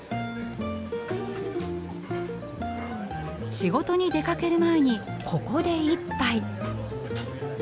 仕事に出かける前にここで一杯。